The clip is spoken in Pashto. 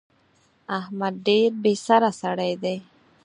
احمد ډېر بې سره سړی دی.